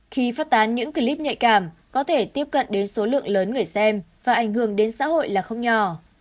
khi phát tán những clip nhạy cảm có thể tiếp cận đến số lượng lớn người xem và ảnh hưởng đến xã hội là không nhỏ